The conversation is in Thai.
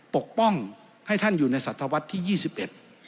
ปกป้องให้ท่านอยู่ในศัตวรรษที่ยี่สิบเอ็ด